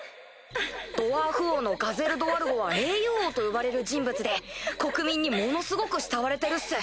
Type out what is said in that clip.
ドワーフ王のガゼル・ドワルゴは英雄王と呼ばれる人物で国民にものすごく慕われてるっす！